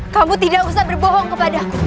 kamu tidak usah berbohong kepada aku